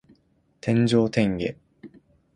天上天下